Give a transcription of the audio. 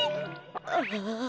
ああ。